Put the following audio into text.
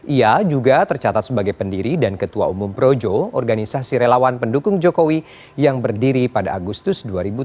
ia juga tercatat sebagai pendiri dan ketua umum projo organisasi relawan pendukung jokowi yang berdiri pada agustus dua ribu tujuh belas